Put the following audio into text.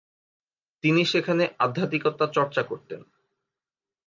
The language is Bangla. তিনি সেখানে আধ্যাত্মিকতা চর্চা করতেন।